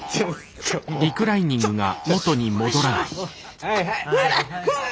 はいはい。